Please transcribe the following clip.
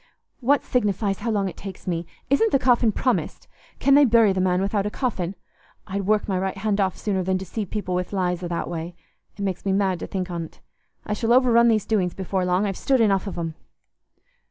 "What signifies how long it takes me? Isn't the coffin promised? Can they bury the man without a coffin? I'd work my right hand off sooner than deceive people with lies i' that way. It makes me mad to think on't. I shall overrun these doings before long. I've stood enough of 'em."